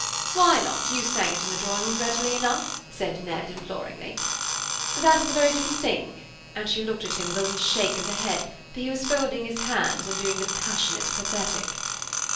"'Why not? You sang it in the drawing room readily enough,' said Ned, imploringly. "'That is a very different thing,' and she looked at him with a little shake of the head, for he was folding his hands and doing the passionate pathetic.